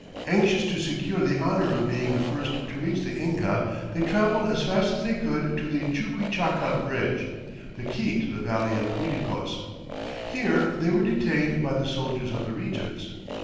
Anxious to secure the honor of being the first to reach the Inca, they traveled as fast as they could to the Chuquichaca bridge, "the key to the valley of Uiticos." Here they were detained by the soldiers of the regents.